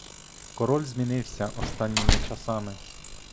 Король змінився останніми часами.